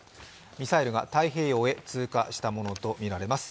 ミサイルが太平洋へ通過したものとみられます。